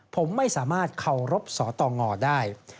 ผมไม่สามารถเคารพสตงได้